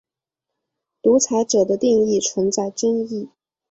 独裁者的定义存在争议。